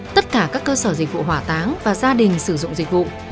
tất cả các cơ sở dịch vụ hỏa táng và gia đình sử dụng dịch vụ